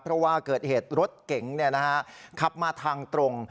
เพราะว่าเกิดเหตุรถเก๋งเนี่ยนะฮะขับมาทางตรง